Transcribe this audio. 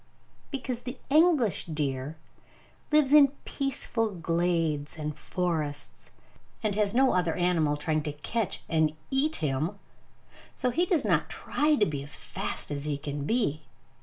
Because the English deer lives in peaceful glades and forests, and has no other animal trying to catch and eat him; so he does not try to be as fast as he could be.